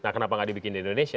kenapa tidak dibikin di indonesia